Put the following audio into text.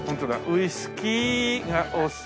「ウイスキーがお好きでしょ」